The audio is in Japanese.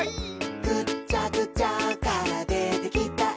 「ぐっちゃぐちゃからでてきたえ」